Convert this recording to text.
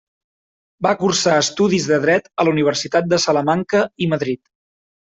Va cursar estudis de dret a la Universitat de Salamanca i Madrid.